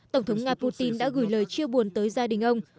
tổng thống nga putin đã gửi lời chia buồn tới gia đình ông